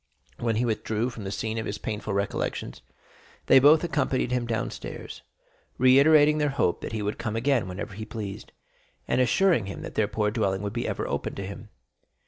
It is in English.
0317m When he withdrew from the scene of his painful recollections, they both accompanied him downstairs, reiterating their hope that he would come again whenever he pleased, and assuring him that their poor dwelling would ever be open to him.